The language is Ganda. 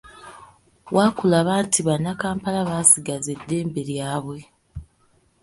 Wakulaba nti bannakampala basigaza eddembe lyabwe.